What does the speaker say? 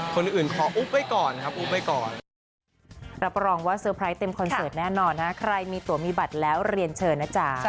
คนอื่นขออุ๊บไว้ก่อนครับอุ๊บไว้ก่อน